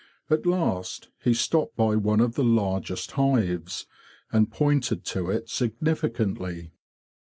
At last he stopped by one of the largest hives, and pointed to it significantly.